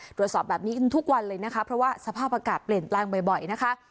ตรวจสอบแบบนี้กันทุกวันเลยนะคะเพราะว่าสภาพอากาศเปลี่ยนแปลงบ่อยนะคะ